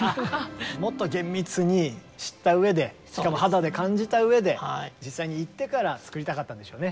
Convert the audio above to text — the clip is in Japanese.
もっと厳密に知ったうえでしかも肌で感じたうえで実際に行ってから作りたかったんでしょうね。